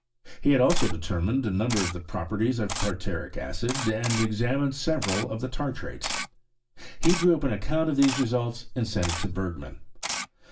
He had also determined a number of the properties of tartaric acid, and examined several of the tartrates. He drew up an account of them results, and sent it to Bergman.